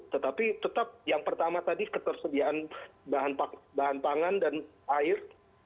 tetapi tetap yang pertama tadi ketersediaan bahan pangan dan air